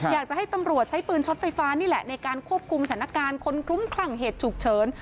อยากจะให้ตำรวจใช้ปืนช็อตไฟฟ้านี่แหละในการควบคุมสถานการณ์คนคลุ้มคลั่งเหตุฉุกเฉิน